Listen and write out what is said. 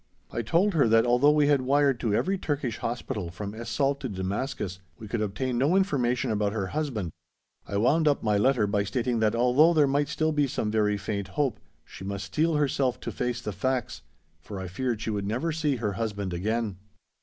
I told her that although we had wired to every Turkish Hospital, from Es Salt to Damascus, we could obtain no information about her husband; I wound up my letter by stating that although there might still be some very faint hope, she must steel herself to face the facts, for I feared she would never see her husband again.